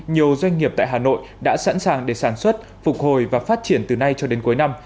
nhiều doanh nghiệp tại hà nội đã sẵn sàng để sản xuất phục hồi và phát triển từ nay cho đến cuối năm